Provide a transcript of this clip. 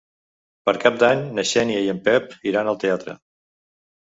Per Cap d'Any na Xènia i en Pep iran al teatre.